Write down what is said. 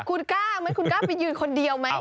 คุณกล้าหรือเป็นคนเดียวไหม